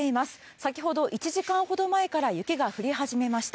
先ほど１時間ほど前から雪が降り始めました。